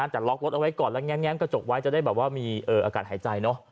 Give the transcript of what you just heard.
แต่ล็อกรถเอาไว้ก่อนแล้วแง้มกระจกไว้จะได้แบบว่ามีอากาศหายใจเนอะ